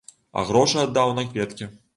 А грошы аддаў на кветкі.